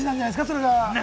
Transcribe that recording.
それが。